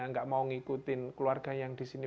tidak mau mengikuti keluarga yang disini